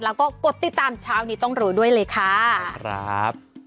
แล้วก็กดติดตามเช้านี้ต้องรู้ด้วยเลยค่ะครับ